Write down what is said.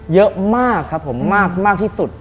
เยอะมากครับผมมากที่สุด